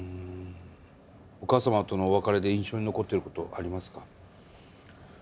お母様とのお別れで印象に残っていることありますか？